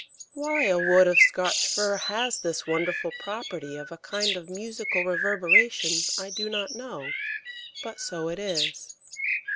Why a wood of Scotch fir has this wonderful property of a kind of musical reverberation I do not know; but so it is.